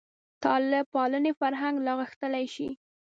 طالب پالنې فرهنګ لا غښتلی شي.